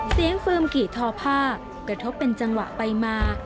เฟิร์มกี่ทอผ้ากระทบเป็นจังหวะไปมา